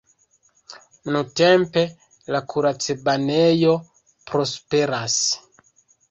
Nuntempe la kuracbanejo prosperas.